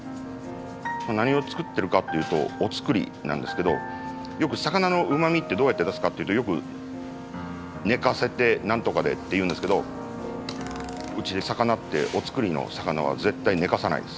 何を作ってるかっていうとお造りなんですけどよく魚のうまみってどうやって出すかっていうとよく寝かせて何とかでっていうんですけどうちで魚ってお造りの魚は絶対寝かさないです。